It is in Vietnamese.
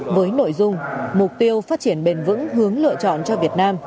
với nội dung mục tiêu phát triển bền vững hướng lựa chọn cho việt nam